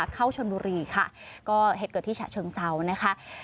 เข้าชนบุรีค่ะก็เหตุเกิดที่ฉะเชิงเซานะคะ